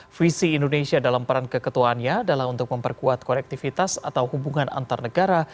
visi indonesia dalam peran keketuaannya adalah untuk memperkuat korektivitas atau hubungan antarnegara